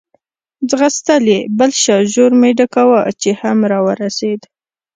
ځغستل یې، بل شاژور مې ډکاوه، چې هم را ورسېد.